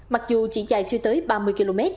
mặc dù chỉ dài chưa tới ba mươi km